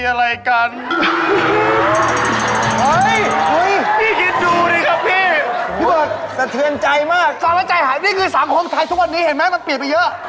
โอไหลมวกฏศบนจ่ายผ่านนี่คือสังคมใครส่วก่อนนี้เห็นไหมมันเปียกไปเยอะ